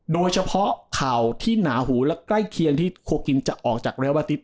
โดยเฉพาะข่าวที่หนาหูและใกล้เคียงที่โคกินจะออกจากเรวาติ๊